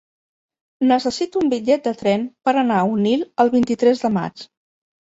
Necessito un bitllet de tren per anar a Onil el vint-i-tres de maig.